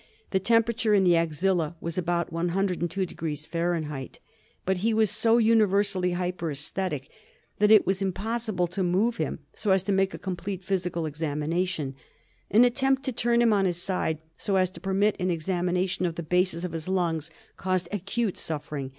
The temperature in the axilla was about 102° F., but he was so universally hyperaesthetic that it was im possible to move him so as to make a satisfactory physical examination. An attempt to turn him on his side so as to permit of an examination of the bases of his lungs caused acute suffering.